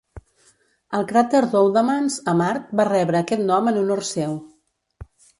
El cràter d'Oudemans a Mart va rebre aquest nom en honor seu.